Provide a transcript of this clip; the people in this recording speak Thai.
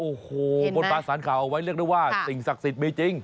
โอ้โหคนประสานขาเอาไว้เลือกด้วยว่าสิ่งศักดิ์สิทธิ์ไม่จริง